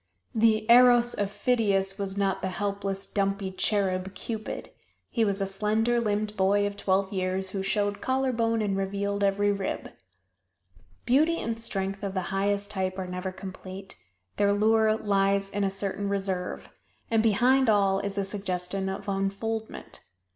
The "Eros" of Phidias was not the helpless, dumpy cherub "Cupid" he was a slender limbed boy of twelve years who showed collar bone and revealed every rib. Beauty and strength of the highest type are never complete their lure lies in a certain reserve, and behind all is a suggestion of unfoldment.